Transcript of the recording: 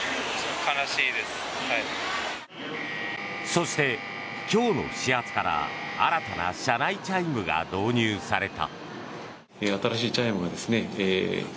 そして、今日の始発から新たな車内チャイムが導入された。